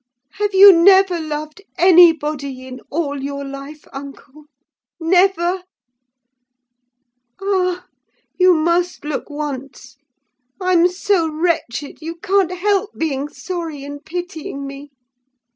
Have you never loved anybody in all your life, uncle? never? Ah! you must look once. I'm so wretched, you can't help being sorry and pitying me."